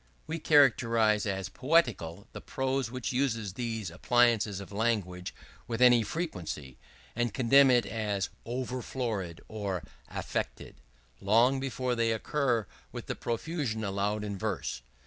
We characterize as "poetical" the prose which uses these appliances of language with any frequency, and condemn it as "over florid" or "affected" long before they occur with the profusion allowed in verse.